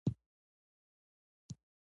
د مينې باوجود تر دې رڼاګانو، سينګار او نظم